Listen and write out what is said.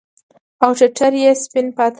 او ټټر يې سپين پاته وي.